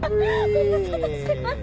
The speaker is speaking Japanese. ご無沙汰してます。